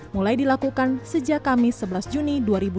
mulai dilakukan sejak kamis sebelas juni dua ribu dua puluh